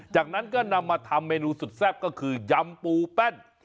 จากนั้นก็นำมาทำเมนูสุดแซ่บก็คือยำปูแป้น